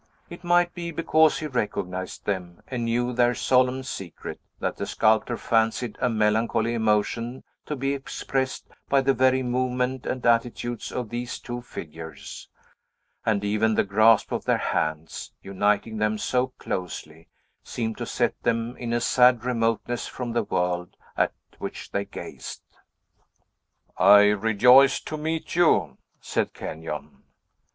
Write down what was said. It might be because he recognized them, and knew their solemn secret, that the sculptor fancied a melancholy emotion to be expressed by the very movement and attitudes of these two figures; and even the grasp of their hands, uniting them so closely, seemed to set them in a sad remoteness from the world at which they gazed. "I rejoice to meet you," said Kenyon.